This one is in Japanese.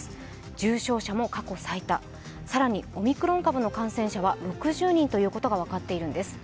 重症者も過去最多、さらにオミクロン株の感染者は６０人ということが分かっているんです。